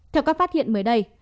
theo các phát hiện mới đây